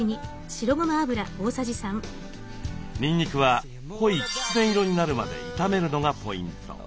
にんにくは濃いきつね色になるまで炒めるのがポイント。